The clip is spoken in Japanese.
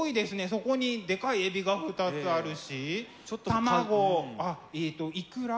そこにでかいエビが２つあるしたまごえっとイクラ。